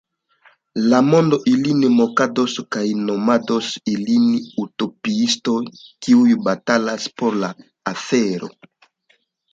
La mondo ilin mokados kaj nomados ilin utopiistoj, kiuj batalas por la afero.